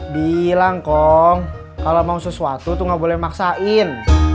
bilang kong kalau mau sesuatu tuh nggak boleh maksain